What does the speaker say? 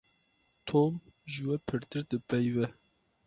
Tom ji we pirtir dipeyive.